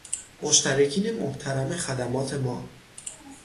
مشترکین محترم خدمات ما